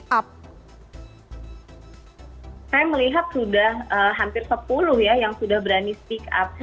saya melihat sudah hampir sepuluh ya yang sudah berani speak up